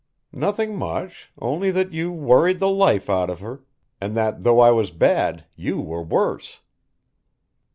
"Nothing much, only that you worried the life out of her, and that though I was bad you were worse."